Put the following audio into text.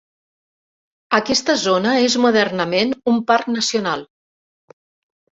Aquesta zona és modernament un parc nacional.